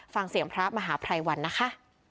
ฟังเสียงพระมหาภัยวันนะคะ